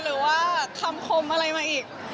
หรือว่าคำคมอะไรมาอีก